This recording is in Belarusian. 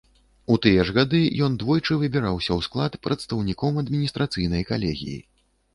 У тыя ж гады ён двойчы выбіраўся ў склад прадстаўніком адміністрацыйнай калегіі.